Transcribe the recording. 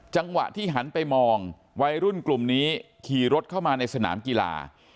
จังหวะที่หันไปมองวัยรุ่นกลุ่มนี้ขี่รถเข้ามาในสนามกีฬา